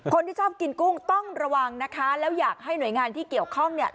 คนที่ชอบกินกุ้งต้องระวังนะคะแล้วอยากให้หน่วยงานที่เกี่ยวข้องเนี่ย